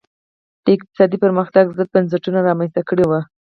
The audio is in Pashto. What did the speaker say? د اقتصادي پرمختګ ضد بنسټونه رامنځته کړي وو.